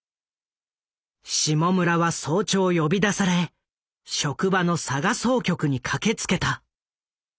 下村は早朝呼び出され職場の佐賀総局に駆けつけた。